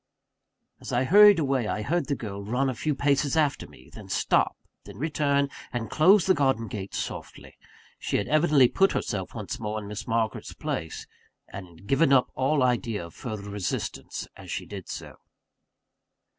As I hurried away, I heard the girl run a few paces after me then stop then return, and close the garden gate, softly. She had evidently put herself once more in Miss Margaret's place; and had given up all idea of further resistance as she did so.